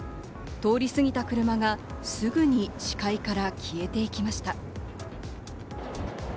通り過ぎた車がすぐに視界から消えていきました。